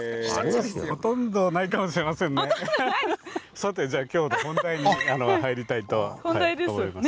さて今日の本題に入りたいと思います。